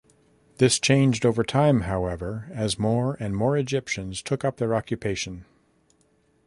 This changed over time, however, as more and more Egyptians took up their occupation.